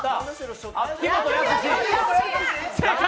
秋元康！